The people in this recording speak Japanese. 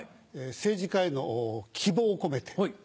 政治家への希望を込めて。